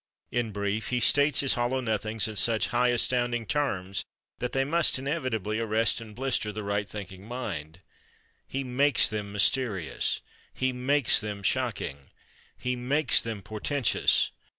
In brief, he states his hollow nothings in such high, astounding terms that they must inevitably arrest and blister the right thinking mind. He makes them mysterious. He makes them shocking. He makes them portentous.